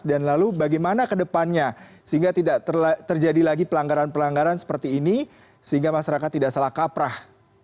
dan lalu bagaimana ke depannya sehingga tidak terjadi lagi pelanggaran pelanggaran seperti ini sehingga masyarakat tidak salah kaprah